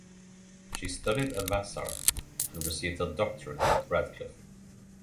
She studied at Vassar and received her doctorate at Radcliffe.